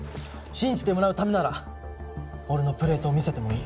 信じてもらうためなら俺のプレートを見せてもいい。